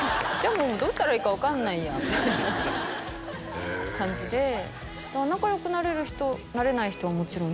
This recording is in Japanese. もうどうしたらいいか分かんないやみたいな感じでだから仲良くなれる人なれない人はもちろんいます